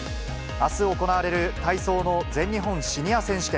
あす行われる体操の全日本シニア選手権。